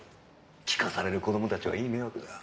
聞かされる子どもたちはいい迷惑だ。